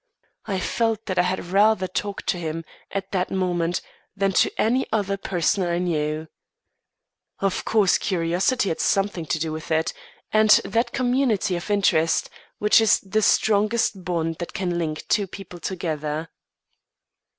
I felt that I had rather talk to him, at that moment, than to any other person I knew. Of course, curiosity had something to do with it, and that community of interest which is the strongest bond that can link two people together.